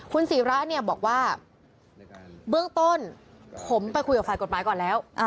คุณศิระเนี่ยบอกว่าเบื้องต้นผมไปคุยกับฝ่ายกฎหมายก่อนแล้ว